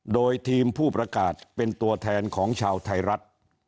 โดยทีมผู้ประกาศเป็นตัวแทนของชาวไทยรัฐ